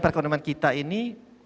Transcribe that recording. perekonomian kita ini